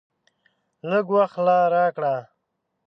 لږ وخت لا راکړه !